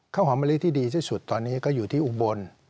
ข้าวหอมมะลิที่ดีที่สุดตอนนี้ก็อยู่ที่อุบล